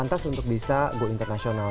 jadi pantas untuk bisa go international